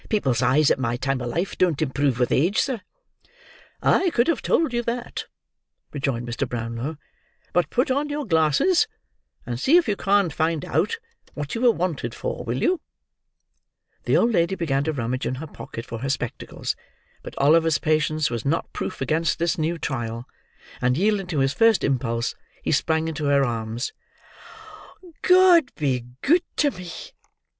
"People's eyes, at my time of life, don't improve with age, sir." "I could have told you that," rejoined Mr. Brownlow; "but put on your glasses, and see if you can't find out what you were wanted for, will you?" The old lady began to rummage in her pocket for her spectacles. But Oliver's patience was not proof against this new trial; and yielding to his first impulse, he sprang into her arms. "God be good to me!"